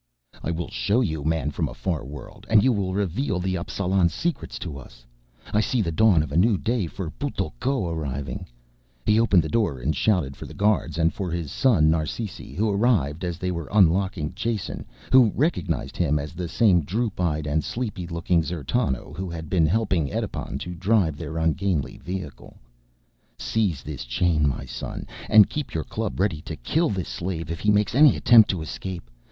"I will show you, man from a far world, and you will reveal the Appsalan secrets to us. I see the dawn of a new day for Putl'ko arriving." He opened the door and shouted for the guards, and for his son, Narsisi, who arrived as they were unlocking Jason who recognized him as the same droop eyed and sleepy looking D'zertano who had been helping Edipon to drive their ungainly vehicle. "Seize this chain my son and keep your club ready to kill this slave if he makes any attempt to escape.